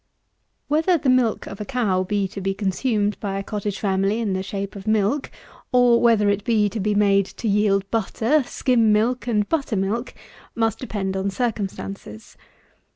112. Whether the milk of a cow be to be consumed by a cottage family in the shape of milk, or whether it be to be made to yield butter, skim milk, and buttermilk, must depend on circumstances.